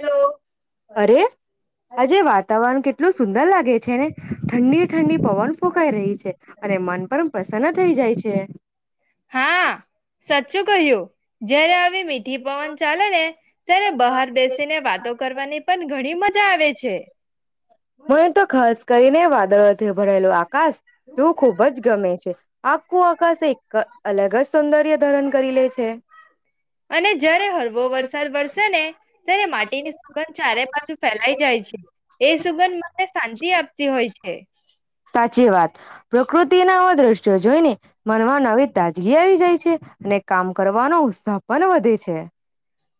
Hello. અરે આજે વાતાવરણ કેટલું સુંદર લાગે છે ને ઠંડી ઠંડી પવન ફૂંકાઈ રહી છે અને મન પણ પ્રસન્ન થઈ જાય છે. હા, સાચું કહ્યું જય્યારે આવી મીઠી પવન ચાલે ને ત્યારે બહાર બેસી ને વાતો કરવાની પણ ઘણી મજા આવે છે. મને તો ખાસ કરીને વાદળોથે ભણેલું આ આકાશ તું ખુબ જ ગમે છે, આખું આકાશ એક અલગ જ સૌંદર્ય ધરણ કરી લે છે. અને જયારે હળવો વરસાદ વરસે ને, ત્યારે માટીની સુગંધ ચારે પાછું ફેલાઈ જાય છે, એ સુગંધ ને શાંતિ આપતી હોય છે. સાચી વાત, પ્રકૃતિના દ્રશ્ય જોઈ જોઈને. મનમાં નવી તાજગી આવી જાય છે, અને કામ કરવાનો ઉત્સાહ પણ વધે છે.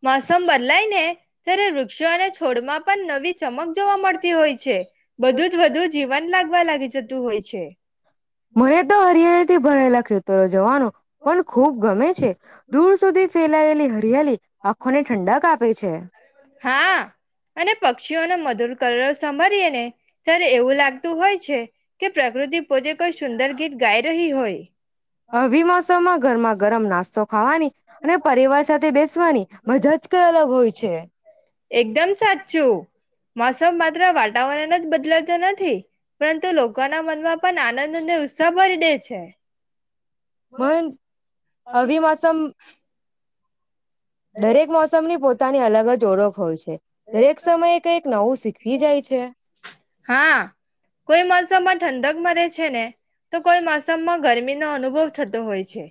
મોસમ બદલાય ને. ત્યારે વૃક્ષો અને છોડમાં પણ નવી ચમક જોવા મળતી હોય છે, બધું જ વધુ જીવન લાગવા લાગી જતું હોય છે. મરે તો હરિયાળથી ભરેલા ખેતરો જવાનો પણ ખૂબ ગમે છે. દૂર સુધી ફેલાયેલી રિયલી આંખો ને ઠંડક આપે છે. હાઆ અને પ પક્ષીઓનો મધુર કલરવ સાંભરીએ ને ત્યારે એવું લાગતું હોય છે કે, પ્રકૃતિ પોતે કોઈ સુંદર ગીત ગાઈ રહી હોય. અવિમાસામાં ઘરમાં ગરમ નાસ્તા તો ખાવા ની અને, પરિવાર સાથે બેસવાની મજા જ કઈ અલગ હોય છે. એકદમ સાચું! મોસમ માત્ર વાતાવરણ જ બદલાતો નથી. પરંતુ, લોકોના મનમાં પણ આનંદ અને ઉત્સાહ બરી દે છે. મન અભી આવી તો મોસમ [inaudible] દરેક મોસમની પોતાની અલગ જ ચોડક [inaudible] હોય છે. દરેક સમયે કંઈક નવું શીખવી જાય છે. હા! કોઈ મોસમ ઠંડક મરે છે ને, તો કોઈ મોસમમાં ગરમીનો અનુભવ થતો હોય છે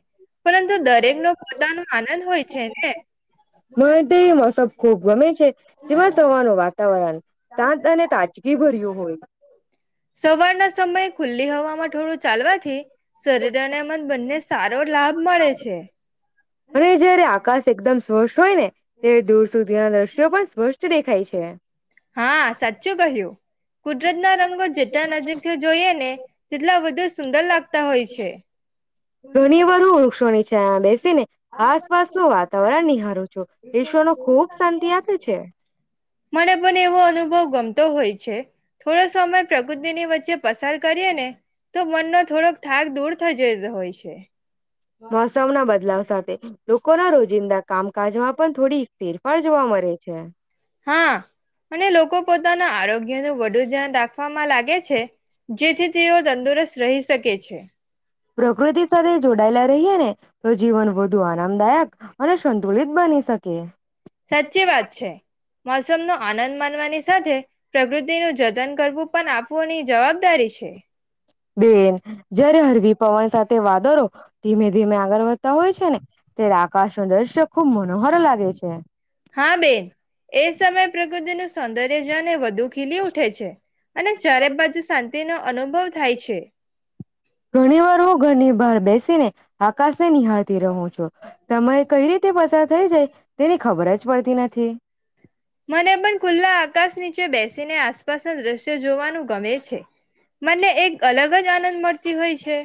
પરંતુ દરેકનો પોતાનો આનંદ હોય છે ને [inaudible] મને તો એ મોસમ ખુબ ગમે છે. જેમાં સવારનું વાતાવરણ શાંત અને તાજગી ભર્યું હોય. [inaudible] સવારના સમય ખુલ્લી હવામાં થોડું ચાલવાથી શરીર [inaudible] બંને સારો લાભ મળે છે. હું જ્યારે આ આકાશ એકદમ શોષ હોય ને ત્યારે દૂર સુધીના દ્રશ્યો પણ સ્પષ્ટ દેખાય છે. હા! સાચું કહ્યું કુદરત ના રંગો જેટલા નજીકથી જોઈએ ને તેટલા વધુ સુંદર લાગતા હોય છે. ઘણી વધુ વૃક્ષોની અચછા આબે ને આસપાસ નું વાતાવરણ નિહારું છું [inaudible] ઈશ્વરનો ખૂબ શાંતિ આપે છે. મને પણ એવો અનુભવ ગમતો હોય છે. થોડો સમય પ્રકૃતિની વચ્ચે પસાર કરીએ ને તો, મનનો થોડોક થાક દૂર થઈ જતો હોય છે. મોસમ ના બદલાવ સાથે લોકો ના રોજિંદા કામ કાજમાં પણ થોડી ફેરફાર જોવા મળે છે. [inaudible] હા અને લોકો પોતાના આરોગ્ય નું વધુ ધ્યાન રાખવામાં લાગે છે જેથી તેઓ તંદુરસ્ત રહી શકે છે. અજીવન વ વધુ આરામદાયક અને સંતુલિત બની શકે [unintelligible] કે સાચી વાત છે. મોસમનો આનંદ માનવાની સાથે પ્રકૃતિનું જતન કરવું પણ આપવુંની જવાબદારી છે બેન જય્યારે હરવી પવન સાથે વાદરો ધીમે ધીમે આગળ વધતા હોય છે ને ત્યારે આકાશ નો દ્રશ્ય ખુબ મનોહર લાગે છે. હા બેન એ સમયે પ્રકૃતિનું સૌંદર્ય જાને વધુ ખીલી ઉઠે છે. અને ચારે બાજુ શાંતિનો અનુભવ થાય છે. ઘણી વાર ઘરની બાર બેસીને આકાશને નિહાળતી રહો છો તમે કઈ રીતે પસાર થઈ જાય તેને ખબર જ પડતી નથી. મને પણ ખુલ્લા [unintelligible] બેસીને આસપાસના દ્રશ્ જોવાનું ગમે છે મને એક અલગ જ આનંદ મળતી હોય છે. છે.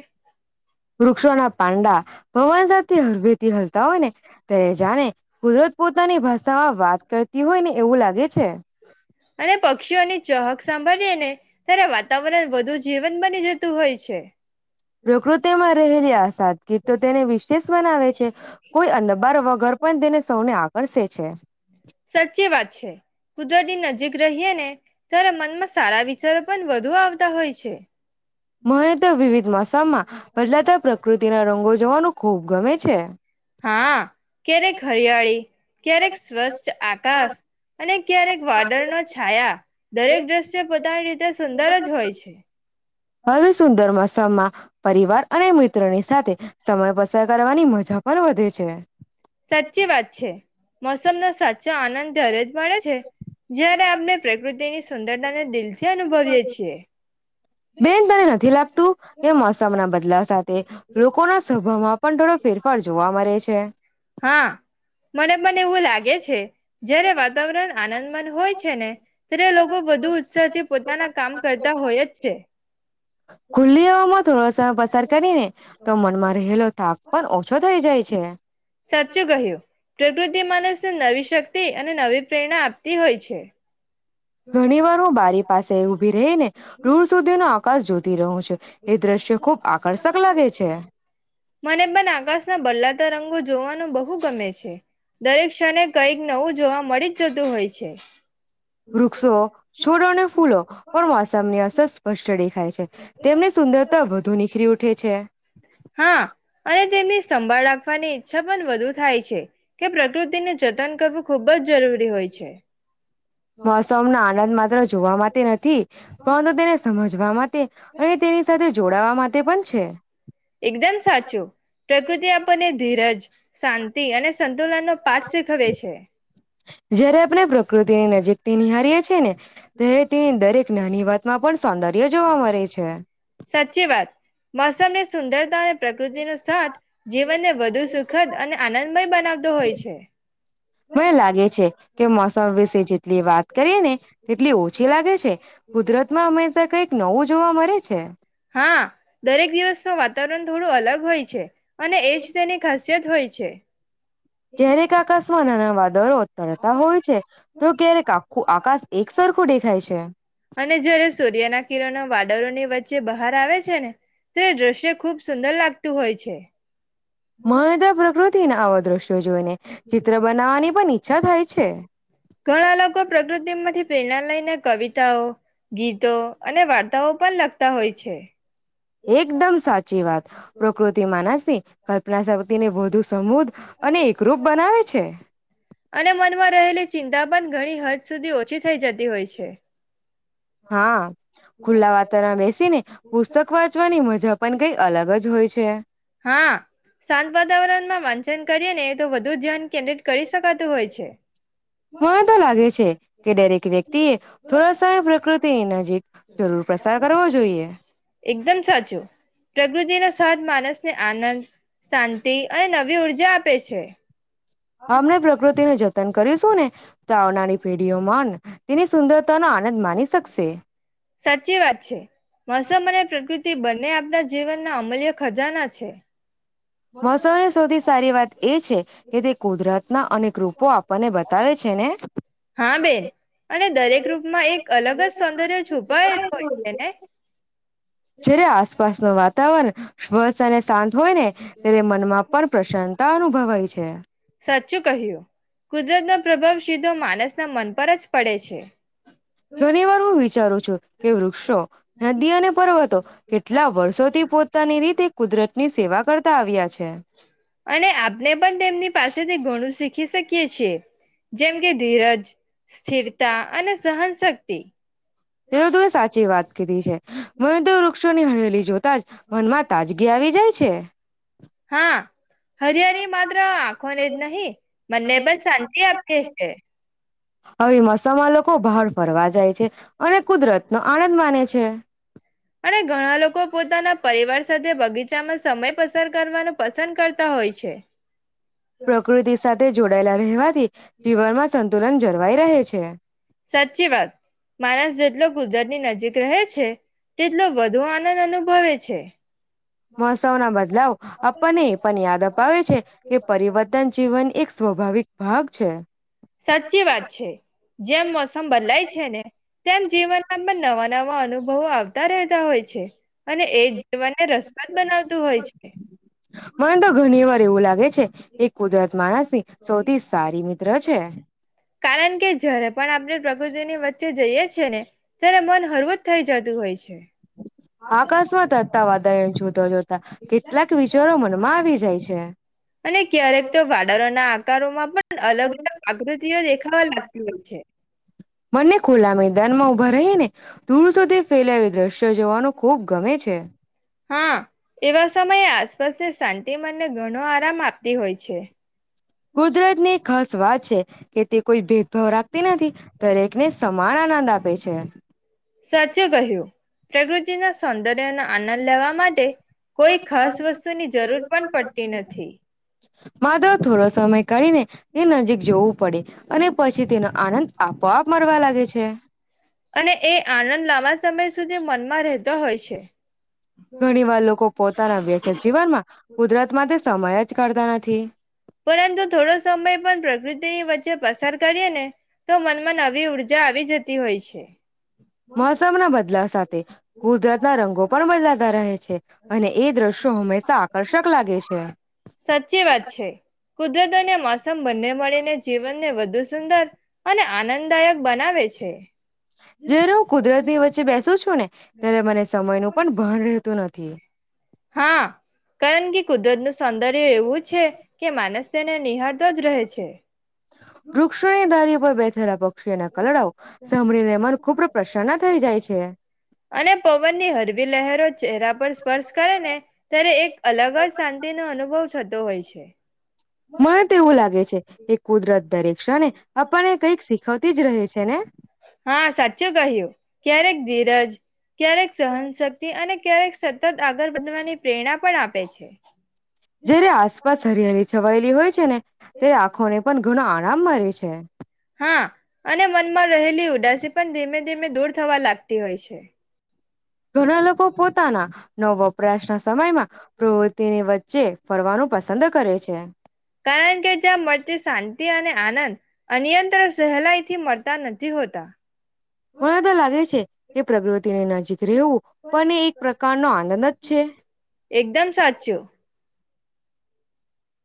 વૃક્ષોના પાંડા. પવન સાથે હળવેથી હલતા હોય ને ત્યારે જાણે કુદરત પોતાની ભાષામાં વાત કરતી હોય ને એવું લાગે છે. અને પક્ષીઓની ચહક સાંભળીએ ને ત્યારે વાતાવરણ વધુ જીવંત બની જતું હોય છે. રોકૃતેમાંરે હેરસ. [unintelligible] ગી તો તેને વિશેષ મનાવે છે, કોઈ અંધબાર વગર પણ તેને સૌને આકર્ષે છે. સાચી વાત છે, કુદરતી નજીક રહીએ ને, ત્યારે મનમાં સારા વિચારો પણ વધુ આવતા હોય છે. મહને તો વિવિધ, માસામાં બદલાતા પ્રકૃતિના રંગો જવાનું ખૂબ ગમે છે. હા. ક્યારેક હરિયાળી, ક્યારેક સ્વચછ આકાશ અને ક્યારેક વાદળનો છાયા દરેક દ્રશ્ય પોતાની રીતે સુંદર જ હોય છે. હવે સુંદર મસ્ મા પરિવાર અને મિત્રોની સાથે સમય પસાર કરવાની મજા પણ વધે છે. સાચી વાત છે. મોસમ નો સાચ જ્યારે આપણે પ્રકૃતિની સુંદરતાને દિલથી અનુભવીએ છીએ બેન તને નથી લાગતું કે મોસમ ના બદલાવ સાથે લોકોના સ્વભાવમાં પણ થોડો ફેરફાર જોવા મળે છે. હા મને મને એવું લાગે છે. જયારે વાતાવરણ આનંદ મંદ હોય છે ને ત્યારે લોકો વધુ ઉત્સાહથી પોતાના કામ કરતા હોય જ છે. ખુલ્લી હવામાં થોડો સમય પસાર કરીને તો મનમાં રહેલો થાક પણ ઓછો થઈ જાય છે સાચું કહ્યું પ્રકૃતિ માણસને નવી શક્તિ અને નવી પ્રેરણા આપતી હોય છે. ઘણી વાર હું બારી પાસે ઉભી રેઈ ને દૂર સુધી ના કાસ જોતી રહું છ છે મને પણ આકાશ ના બલાતા રંગો જોવાનું બહુ ગમે છે. દરેક ક્ષને કઈક નવું જોવા મળી જ જતું હોય છે. વૃક્ષો, છોડો અને ફૂલો પણ માસમની અસર પસ્ટડી ખાય છે. તેમને સુંદરતા વધુ નીખરી ઉ ઉઠે છે. હા, અને તેમની સંભાળ રાખવાની ઇચ્છા પણ વધુ થાય છે કે પ્રકૃતિને જત તન કરવું ખુબ જ જરૂરી હોય છે. મોસમનો આનંદ માત્ર જોવા માટે નથી પરંતુ તેને સમજવા માટે અને તેની સાથે જોડાવા મા ટે પણ છે. એકદમ સાચું પ્રકૃતિ આપણને ધીરજ, શાંતિ અને સંતુલનનો પાઠ શીખવે છે [unintelligible] જયારે આપણે પ્રકૃતિની નજીકથી નિહારીય છીએ ને ત્યારે તે દરેક નાની વાત માં પણ સૌંદર્ય જોવા મળે છે. [unintelligible] પ્ર કૃતિનુ સાથ જીવનને વધુ સુખદ અને આનંદમય બનાવતો હોય છે. મને લાગે છે કે મોસમ વિશે જેટલી વાત કરીએ ને તેટલી ઓછી લાગે છે કુદરત માં હંમેશા કઈક નવું જોવા મળે છે. છે. હા, દરેક દિવસ તો વાતાવરણ થોડું અલગ હોય છે. અને એજ તેની ખાસિયત થાય છે. ક્યારેક આકસ્મા નાના વા દરો તરતા હોય છે તો ક્યારેક આખું આકાશ એક સરખું દેખાય છે અને જય્યારે સૂર્યના કિરણ વાદરોની વચ્ચે બહાર આવે છે ને ત્યારે દ્રશ્ય ખૂબ સુંદર લાગતું હોય છે મદ પ્રકૃતિ ના આવો દઋશ્યો જોુને ચિત્ર બનાવાની પણ ઈચ્છા થાય છે પ્રકૃતિ થી પ્રેરણા લયને કવિતાઓ ગીતો અને વાર્તાઓ પણ લખતા હોય છે એકદમ સાચી વાત પ્રકૃતિ માનસ ની કલ્પના શક્તિ ને વધુ સમૂદ અને એકરૂપ બનાવે છે અને મનમાં રહેલી ચિંતા પણ ઘણી હદ સુધી ઓછી થઈ જતી હોય છે હા ખુલ્લા વાતરણમાં બેસીને પુસ્તક વાંચવાની મજા પણ કઈ અલગ જ હોય છે [inaudible] હા શાંત વાતાવરણમાં વા કરીને તો વધુ ધ્યાન કેન્દ્રિત કરી શકાતું હોય છે મને તો લાગે છે કે દરેક વ્યક્તિએ થોડા સમય [inaudible] જરૂર પસાર કરવો જોઈએ એકદમ સાચું પ્રકૃતિનો સાથ માણસને આનંદ શાંતિ અને નવી ઉર્જા આપે છે અમને પ્રકૃતિને જ તન કરીશું ને તો આવનારી પેઢી [unintelligible] તેની સુંદરતા નો આનંદ માની શકશે. સાચી વાત છે મોસમ અને પ્રકૃ ટી બંને આપણા જીવનના અમલ્ય ખજાના છે. મોસમની સૌથી સારી વાત. એ છે કે તે કુદરત ના અનેક રૂપો આપણને બતાવે છે ને હા બેન અને દરેક રૂપમાં એક અલગ જ સૌંદર્ય છુપાયેલું હોય છે ને છે આ. નું વાતાવરણ સ્વસ અને શાંત. હોય ને ત્યારે મનમાં પણ પ્રશન્નતા અનુભવાય છે. સાચું કહ્યું કુદરતનો પ્રભાવ સીધો માનસના મન પર જ પડે છે. ઘણી વાર હું વિચારું છું. કે વૃક્ષો નદી અને પર્વતો. કેટલા વર્ષોથી પોતાની રીતે કુદરતની સેવા કરતા આવ્યા છે. અને ખી શકીએ છીએ. જેમ કે ધીરજ, સ્થિરતા અને સહન શક્તિ. તેઓ તો એ સાચી વાત કીધી છે. મને તો વૃક્ષોની હળલી જોતા જ મનમાં તાજગી આવી જાય છે. હા. હરિયાારી માત્ર આંખોને જ નહી મને પણ શાંતિ આપી એ છીએ. હવે મોસમાં લોકો બહાર ફરવા જાય છે અને કુદરત નો આનંદ માને છે. અને ઘણા લોકો પોતાના પરિવાર સાથે બગીચામાં સમય પસાર કરવાનું પસંદ કરતા હોય છે. પ્રકૃતિ સાથે જોડાયેલા રહેવાથી જીવનમાં સંતુલન જરવાઈ રહે છે. સાચી વાત. માણસ જેટલો કુદરતની નજીક રહે છે તેટલો વધુ આનંદ અનુભવે છે. મહોત્સવના બદલાવ આપણને એ પણ યાદ અપાવે છે કે પરિવર્તન જીવન એક સ્વાભાવિક ભાગ છે. સાચી વાત છે. જેમ મોસમ બદલાય છે ને તેમ જીવનના નવા નવા અનુભવો આવતા રહેતા હોય છે. અને એ જીવનને રસપદ બનાવતું હોય છે. તે એ કુદરત માણસની સૌથી સારી મિત્ર છે. ચે જઈએ છે ને ત્યારે મન હરવું જ થઈ જતું હોય છે. આકસ્માત હતા વધારે જુદો જોત જાય છે અને ક્યારેક તો વાડરોના આકારોમાં પણ અલગ અલગ આકૃતિઓ દેખાવા લાગતી હોય છે મને ખુલામ મેદાનમાં ઉભા રહીને દૂર સુધી ફેલાઈ જશ તે જોવાનું ખૂબ ગમે છે. હા એવા સમયે આસપાસને શાંતિ મનને ઘણો આરામ આપતી હોય છે. કુદરતને ખાસ સ્વાદ એ તે કોઈ ભેદભાવ રાખતી નથી દરેક ને સમાન આનંદ આપ પે છેયાન [unintelligible] સાચે કહ્યું, પ્રકૃતિજી ના સૌંદર્યના આનંદ લેવા. માટે કોઈ ખાસ વસ્તુની જરૂર પણ પડતી નથી [unintelligible] માધવ થોડો સમય કાઢીને, તે નજીક જોવું. પડે, અને પછી તેનો આનંદ આપોઆપ મરવા લાગે છે. સુધ મનમાં રહેતો હોય છે. ઘણી વાર લોકો પોતાના વ્યસ્ત જીવનમાં, કુદરતમાં સમય જ કાઢતા નથી. પરંતુ થોડો સમય પણ પ્રકૃતિની વચ્ચે પસાર કરીએને, તો મનમાં નવી ઉર્જા આવી જતી હોય છે. મોસમનો બદલાવ સાચ કુદરતના રંગો પણ બદલાતા રહે છે, અને એ દ્રશ્યો હમેશા આકર્ષક લાગે છે. સાચી વાત છે કુદરત અને મોસમ બંને મળીને જીવનને વધુ સુંદર અને આનંદદાયક બનાવે છે. જેનું કુદરતી વચ્ચે બેસું જ છું ને, ત્યારે મને સમય નું પણ ભણ રહેતું નથી. હા, કારણ કે કુદરતનું સૌંદર્ય એવું છે કે માનસ તેને નિહાળ વૃક્ષોની દારી પર બેઠ ફેરાબો પક્ષીના કલડા સાંભળીને મન ખૂબ પ્રસન્ના થઈ જાય છે અને પવનની હળવી લહેરો ચહેરા પર સ્પર્શ કરે ને ત્યારે એક અલગ જ શાંતિ નો અનુભવ થતો હોય છે મને તો એવું લાગે છે કે કુદરત દરેક ક્ષણે આપણને કંઈક શીખવતી જ રહે છે ને હા સાચું કહ્યું ક્યારેક ધીરજ ક્યારેક સહનશક્તિ અને ક્યારેક સતત આગળ વધવાની પ્રેરણા પણ આપે છે જયારે આસપાસ હરિયાળ છવાયેલી હોય છે ને ત્યારે આંખો ને પણ ઘણ આ આરામ મળે છે હા અને મનમાં રહેલી ઉદાસી પણ ધીમે ધીમે દૂર થવા લાગતી હોય છે ઘણા લોકો પોતાના. નો વપરાશના સમયમાં પ્રવૃત્તિની વચ્ચે ફરવાનું પસંદ કરે છે. કારણ કે જ્યાં મળતી શાંતિ અને આનંદ, અનયંત્ર સહેલાઈ થી મળતા નથી હોતા. મને તો લાગે છે, કે પ્રગૃતિની નજીક રહેવું, પણ એ એક પ્રકારનો આનંદ જ છે. એકદમ સાચું